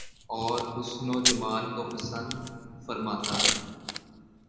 اور حسن و جمال کو پسند فرماتا ہے